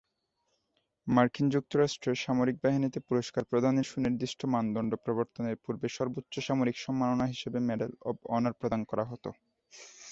মার্কিন যুক্তরাষ্ট্রের সামরিক বাহিনীতে পুরস্কার প্রদানের সুনির্দিষ্ট মানদণ্ড প্রবর্তনের পূর্বে সর্বোচ্চ সামরিক সম্মাননা হিসেবে মেডেল অব অনার প্রদান করা হতো।